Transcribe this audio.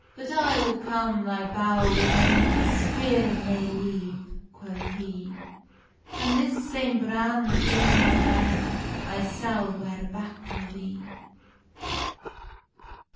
"But I will come thy bowr within, An spear nae leave," quoth he; "An this same bran that's i my ban, I sall ware back on the."